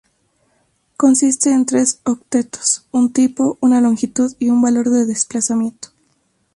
Consiste en tres octetos, un tipo, una longitud, y un valor de desplazamiento.